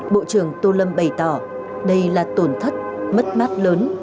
bộ trưởng tô lâm bày tỏ đây là tổn thất mất mát lớn